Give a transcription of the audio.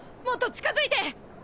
もっと近づいて！